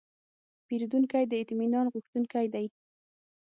پیرودونکی د اطمینان غوښتونکی دی.